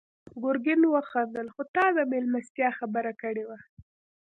ګرګين وخندل: خو تا د مېلمستيا خبره کړې وه.